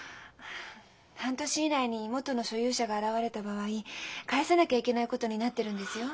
半年以内に元の所有者が現れた場合返さなきゃいけないことになってるんですよ。